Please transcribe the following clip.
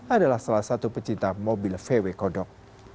adalah salah satu pecinta mobil vw kodok